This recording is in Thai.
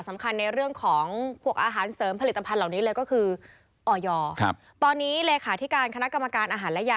อาหารเสริมผลิตภัณฑ์เหล่านี้เลยก็คืออ่อยอร์ครับตอนนี้เลขาที่การคณะกรรมการอาหารและยา